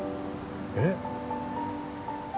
えっ？